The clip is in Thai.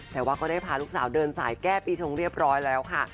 แต่ว่าก็ได้พาลูกสาวเดินสายแก้ปีชงเรียบร้อยแล้วค่ะ